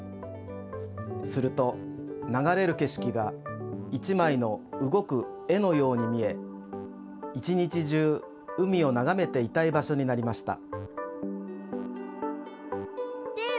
するとながれるけしきが一まいのうごく絵のように見え一日じゅう海をながめていたい場所になりました。